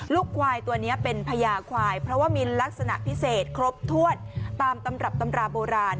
ควายตัวนี้เป็นพญาควายเพราะว่ามีลักษณะพิเศษครบถ้วนตามตำรับตำราโบราณ